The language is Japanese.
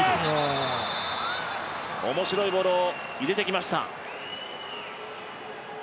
面白いボールを入れてきました。